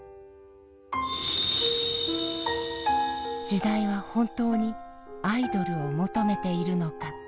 時代は本当にアイドルを求めているのか。